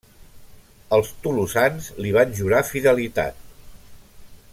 Els tolosans li van jurar fidelitat.